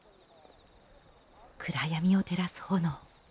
暗闇を照らす炎。